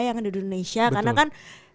yang ada di indonesia karena kan